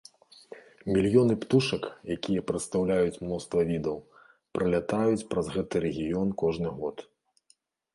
Мільёны птушак, якія прадстаўляюць мноства відаў, пралятаюць праз гэты рэгіён кожны год.